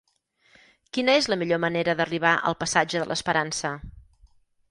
Quina és la millor manera d'arribar al passatge de l'Esperança?